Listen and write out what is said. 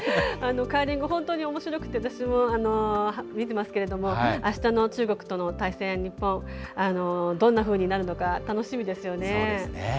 カーリング、本当におもしろくて私も見てますけれどもあしたの中国との対戦、日本どんなふうになるのか楽しみですよね。